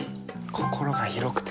心が広くて。